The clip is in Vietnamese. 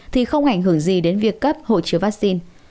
thì không ảnh hưởng gì đến việc cấp hộ chiếu vaccine